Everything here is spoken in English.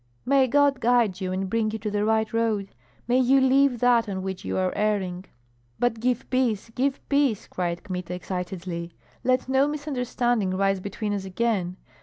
"May God guide you and bring you to the right road. May you leave that on which you are erring." "But give peace, give peace!" cried Kmita, excitedly; "let no misunderstanding rise between us again.